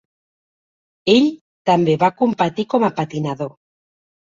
Ell també va competir com a patinador.